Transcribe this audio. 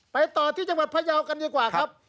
ไปต่อที่จังหวัดพยาวกันดีกว่าครับ